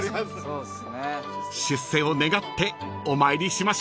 ［出世を願ってお参りしましょう］